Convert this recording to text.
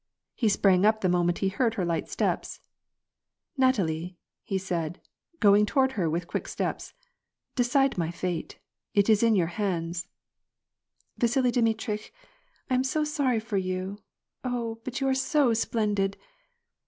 He sprang up the moment he heard her light steps. "Natalie," said he, going toward her with quick steps, "de cide my fate. It is in your hands. "" Vasili Dmitritch, I am so sorry for you. Oh ! but you are so splendid.